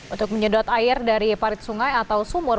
untuk menyedot air dari parit sungai atau sumur